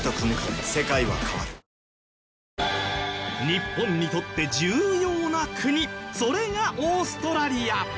日本にとって重要な国それがオーストラリア！